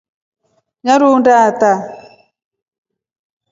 Nyarunda ata.